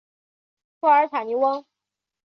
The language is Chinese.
库尔塔尼翁。